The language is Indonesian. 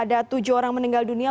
ada tujuh orang meninggal dunia